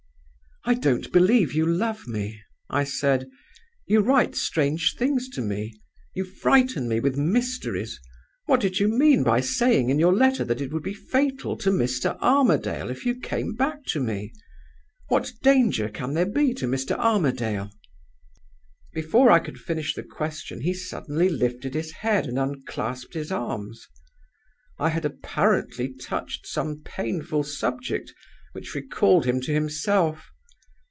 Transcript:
"'I don't believe you love me,' I said. 'You write strange things to me; you frighten me with mysteries. What did you mean by saying in your letter that it would be fatal to Mr. Armadale if you came back to me? What danger can there be to Mr. Armadale ?' "Before I could finish the question, he suddenly lifted his head and unclasped his arms. I had apparently touched some painful subject which recalled him to himself.